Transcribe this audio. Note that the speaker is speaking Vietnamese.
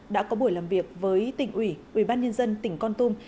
đã có buổi làm việc với tỉnh ủy ủy ban nhân dân tỉnh con tum